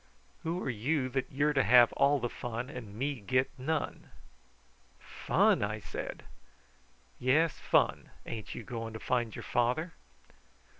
"Who are you that you're to have all the fun and me get none!" "Fun!" I said. "Yes, fun. Ain't you goin' to find your father?"